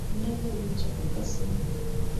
Meza imechafuka sana.